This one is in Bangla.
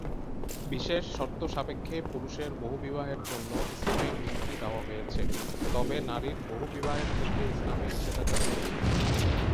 বিশেষ শর্তসাপেক্ষে পুরুষের বহুবিবাহের জন্য ইসলামে অনুমতি দেওয়া হয়েছে, তবে নারীর বহুবিবাহের ক্ষেত্রে ইসলামে নিষেধাজ্ঞা রয়েছে।